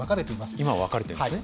今分かれてるんですね。